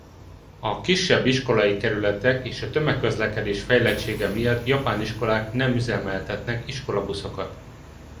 A kisebb iskolai kerületek és a tömegközlekedés fejlettsége miatt japán iskolák nem üzemeltetnek iskolabuszokat.